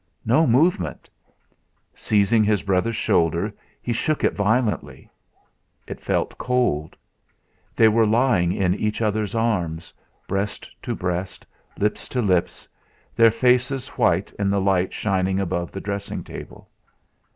No movement! Seizing his brother's shoulder, he shook it violently. It felt cold. They were lying in each other's arms, breast to breast, lips to lips, their faces white in the light shining above the dressing table.